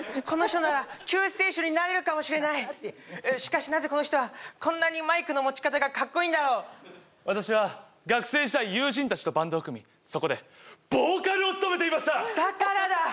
この人なら救世主になれるかもしれないしかしなぜこの人はこんなにマイクの持ち方がかっこいいんだろう私は学生時代友人たちとバンドを組みそこでボーカルを務めていましただからだ！